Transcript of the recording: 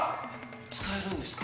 使えるんですか？